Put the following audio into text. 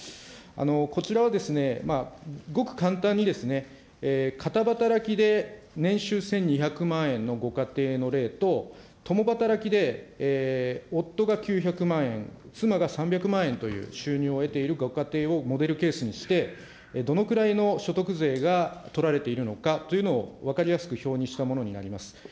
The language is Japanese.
こちらはごく簡単に片働きで年収１２００万円のご家庭の例と、共働きで夫が９００万円、妻が３００万円という収入を得ているご家庭をモデルケースにして、どのくらいの所得税が取られているのかというのを分かりやすく表にしたものになります。